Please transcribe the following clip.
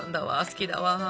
好きだわ。